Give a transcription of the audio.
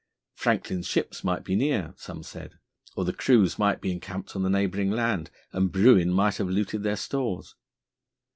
Franklin's ships might be near, some said, or the crews might be encamped on the neighbouring land, and Bruin might have looted their stores.